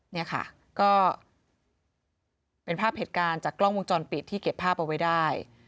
เนี่ยค่ะก็เป็นภาพเหตุการณ์จากกล้องวงจรปิดที่เก็บภาพเอาไว้ได้